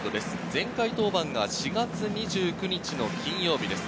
前回登板が４月２９日の金曜日です。